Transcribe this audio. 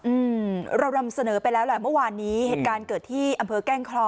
อืมเรานำเสนอไปแล้วแหละเมื่อวานนี้เหตุการณ์เกิดที่อำเภอแก้งคลอ